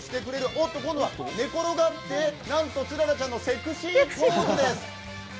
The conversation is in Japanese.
おっと、今度は寝転がってなんとツララちゃんのセクシーポーズです。